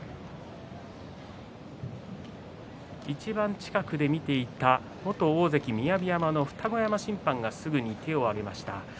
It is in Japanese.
いちばん近くで見ていた元大関雅山の二子山審判がすぐに手を上げました。